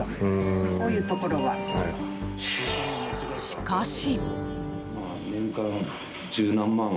しかし。